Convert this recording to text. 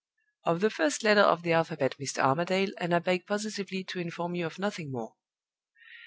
"Of the first letter of the alphabet, Mr. Armadale, and I beg positively to inform you of nothing more!"